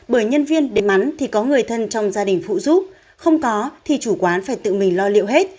bởi nhân viên đến ăn thì có người thân trong gia đình phụ giúp không có thì chủ quán phải tự mình lo liệu hết